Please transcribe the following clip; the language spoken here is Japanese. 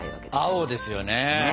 青ですよね！